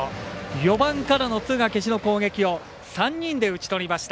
４番からの敦賀気比の攻撃を３人で打ちとりました。